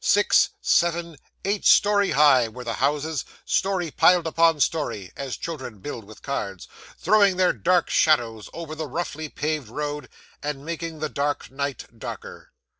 Six, seven, eight storey high, were the houses; storey piled upon storey, as children build with cards throwing their dark shadows over the roughly paved road, and making the dark night darker.